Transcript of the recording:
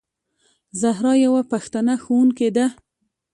زهرا یوه پښتنه ښوونکې ده.